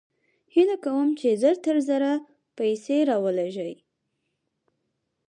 هېله کوم چې زر تر زره پیسې راولېږې